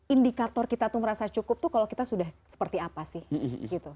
indikator kita tuh merasa cukup tuh kalau kita sudah seperti apa sih gitu